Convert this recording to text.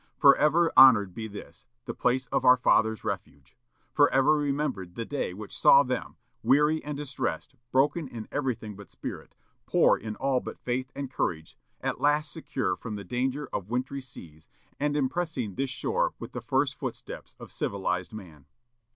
Forever honored be this, the place of our fathers' refuge! Forever remembered the day which saw them, weary and distressed, broken in everything but spirit, poor in all but faith and courage, at last secure from the danger of wintry seas, and impressing this shore with the first footsteps of civilized man!"